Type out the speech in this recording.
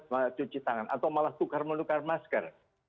lalu cuci tangan atau malah tukar menukar masker